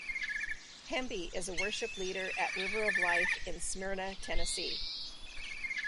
Hemby is a worship leader at River of Life in Smyrna, Tennessee.